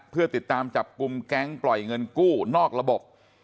เพื่อติดตามจับกลุ่มแก๊งปล่อยเงินกู้นอกระบบ